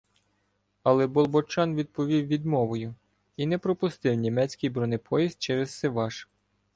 Але Болбочан відповів відмовою і не пропустив німецький бронепоїзд через Сиваш.